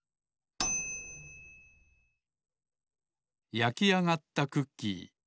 やきあがったクッキー